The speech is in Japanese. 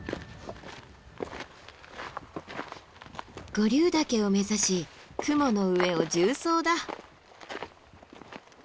五竜岳を目指し雲の上を縦走だ。